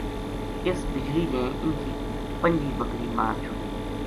اس بجلی نے اِنھ کی پنجی بکری مار چھُڑی